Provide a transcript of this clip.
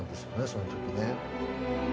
その時ね。